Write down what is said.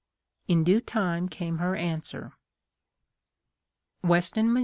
In due time came her answer: "Weston, Mo.